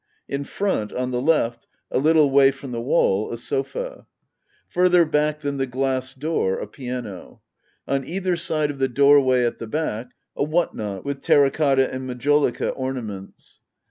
In front, on the left, a little way from the wall, a sofa. Further back than the glass door, a piano. On either side of the doorway at the back a what not with terra cotta and majolica ornaments.